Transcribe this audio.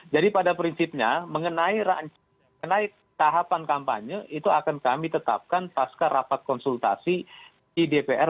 jadi pada prinsipnya mengenai tahapan kampanye itu akan kami tetapkan pasca rapat konsultasi di dpr